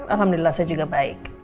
alhamdulillah saya juga baik